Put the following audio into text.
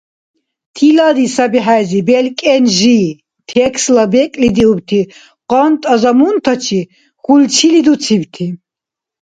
Тилади саби хӀези белкӀен жи, текстла бекӀлидиубти къанта замунтачи хьулчили дуцибти